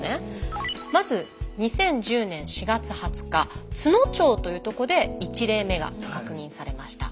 まず２０１０年４月２０日都農町というとこで１例目が確認されました。